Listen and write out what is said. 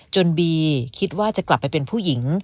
บีคิดว่าจะกลับไปเป็นผู้หญิง